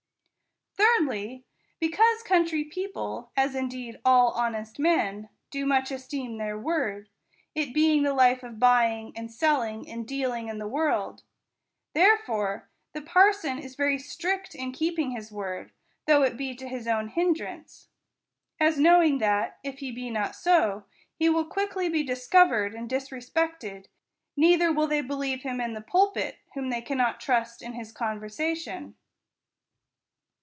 — Thirdly, because country people (as indeed all honest men) do much esteem their word, it being the hfe of buying and selling and dealing in the world, therefore the parson is very strict in keeping his word, THE COUNTRY PARSON. 11 though it be to his own hindrance ; as knowing that, if he be not so, he will quickly be discovered and disre spected : neither will they believe him in the pulpit, whom they cannot trust in his conversation.